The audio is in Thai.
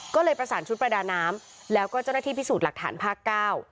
ก็เลยประสานชุดประดาน้ำแล้วก็เจ้าหน้าที่พิสูจน์หลักฐานภาคเก้า